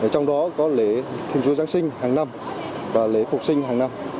trong đó có lễ thùng chúa giáng sinh hàng năm và lễ phục sinh hàng năm